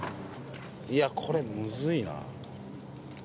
いやこれむずいな。